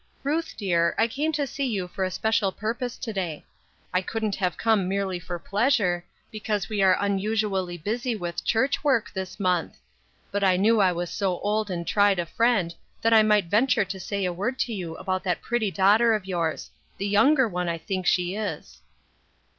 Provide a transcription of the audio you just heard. Ruth dear, I came to see you for a special purpose to day. I couldn't have come merely for pleasure, because we are unusually busy with church work this month ; but I knew I was so old and tried a friend that I might venture to say a word to you about that pretty daughter of yours : the younger one, I think she is."